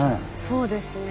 そうですね。